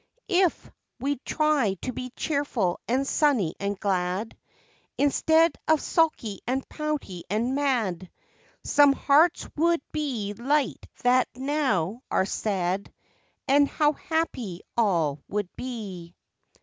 "If" we'd try to be cheerful and sunny and glad, Instead of sulky and pouty and mad, Some hearts would be light that now are sad, And how happy all would be.